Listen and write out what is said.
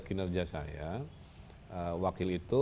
kerja saya wakil itu